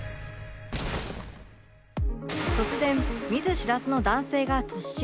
突然見ず知らずの男性が突進